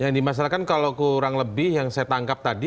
yang dimasalkan kalau kurang lebih yang saya tangkap tadi